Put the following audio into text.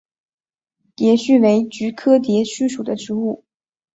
蝶须为菊科蝶须属的植物。